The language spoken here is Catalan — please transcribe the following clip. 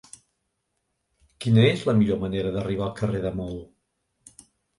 Quina és la millor manera d'arribar al carrer de Maó?